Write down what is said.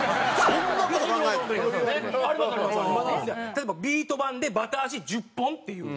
例えばビート板でバタ足１０本っていう。